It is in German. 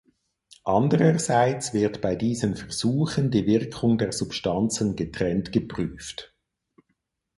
Andererseits wird bei diesen Versuchen die Wirkung der Substanzen getrennt geprüft.